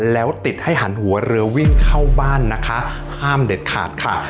แล้วติดให้หันหัวเรือวิ่งเข้าบ้านนะคะห้ามเด็ดขาดค่ะ